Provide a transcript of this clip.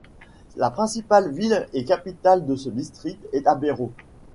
La principale ville et capitale de ce district est Habero.